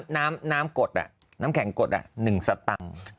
น้ำกดน้ำแข็งกด๑สตังค์